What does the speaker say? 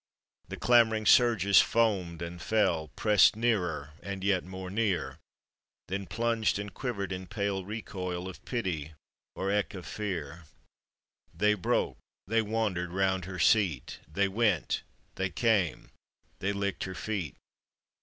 The clamoring surges formed and fell, Pressed nearer and yet more near, Then plunged and quivered in pale recoil Of pity, or eke of fear. They broke, they wandered round her seat— They went, they came, they licked her feet.